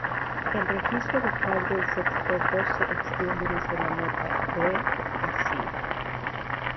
El registro vocal del sexteto se extiende desde la nota "re" a "si".